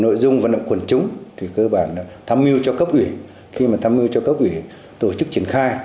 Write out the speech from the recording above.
nội dung vận động quần chúng tham mưu cho cấp ủy khi tham mưu cho cấp ủy tổ chức triển khai